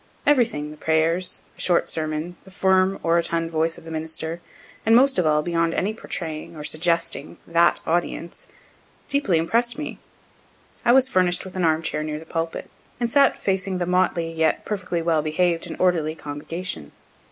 Everything, the prayers, a short sermon, the firm, orotund voice of the minister, and most of all, beyond any portraying, or suggesting, that audience, deeply impress'd me. I was furnish'd with an arm chair near the pulpit, and sat facing the motley, yet perfectly well behaved and orderly congregation.